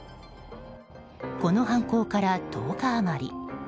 この犯行から１０日余り。